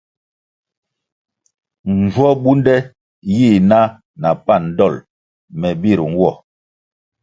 Njwo bunde yi na na pan dol me bir nwo.